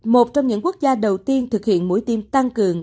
một trong những quốc gia đầu tiên thực hiện mũi tiêm tăng cường